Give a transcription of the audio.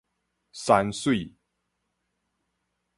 山水